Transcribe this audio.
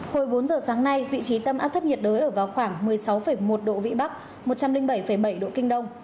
hồi bốn giờ sáng nay vị trí tâm áp thấp nhiệt đới ở vào khoảng một mươi sáu một độ vĩ bắc một trăm linh bảy bảy độ kinh đông